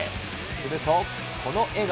するとこの笑顔。